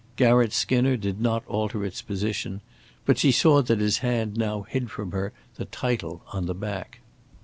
Garratt Skinner did not alter its position; but she saw that his hand now hid from her the title on the back.